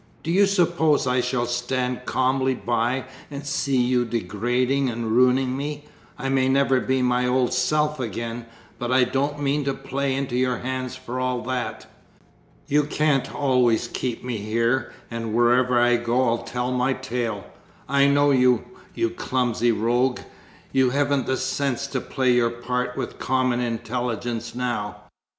"Do you suppose I shall stand calmly by and see you degrading and ruining me? I may never be my old self again, but I don't mean to play into your hands for all that. You can't always keep me here, and wherever I go I'll tell my tale. I know you, you clumsy rogue, you haven't the sense to play your part with common intelligence now.